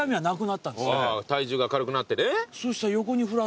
ああ体重が軽くなってね。